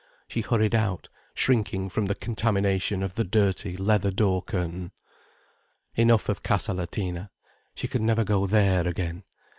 She hurried out, shrinking from the contamination of the dirty leather door curtain. Enough of Casa Latina. She would never go there again.